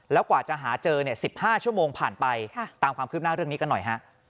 แล้วกว่าจะหาเจอ๑๕ชั่วโมงผ่านไปตามความคืบหน้าเรื่องนี้กันหน่อยฮะ